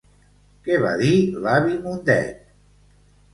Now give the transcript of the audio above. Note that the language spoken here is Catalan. Què va dir l'avi Mundet?